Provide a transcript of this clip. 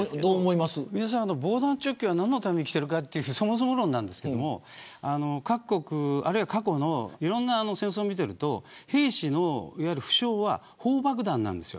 防弾チョッキは何のために着ているかというそもそも論なんですが過去のいろんな戦争を見ていると兵士の負傷は砲爆弾なんです。